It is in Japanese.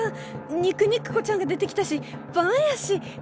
肉肉子ちゃんが出てきたしバンやし何？